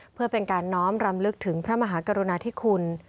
เพื่อเป็นการน้อมรำลึกถึงพระมหากรุณาธิคุณ